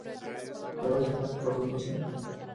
یوازې غنم خوړل بس نه دي.